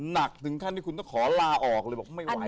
นักถึงขั้นที่คุณนะก็ต้องขอลาออกเลย